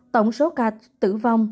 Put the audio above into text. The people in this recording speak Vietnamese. tổng số ca tử vong